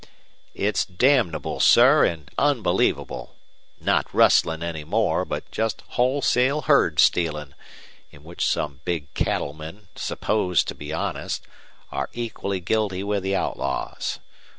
"It's damnable, sir, and unbelievable. Not rustling any more, but just wholesale herd stealing, in which some big cattlemen, supposed to be honest, are equally guilty with the outlaws.